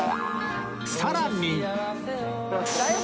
さらに